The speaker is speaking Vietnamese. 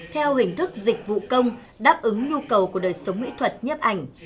theo hình thức dịch vụ công đáp ứng nhu cầu của đời sống mỹ thuật nhấp ảnh